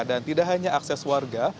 dan tidak hanya akses warga